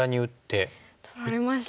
取られましたね。